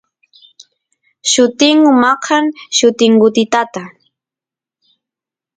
llutingu maqan llutingutitata